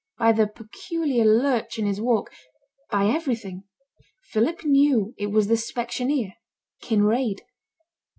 By the peculiar lurch in his walk by everything Philip knew it was the specksioneer, Kinraid.